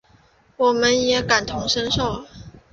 我们也感同身受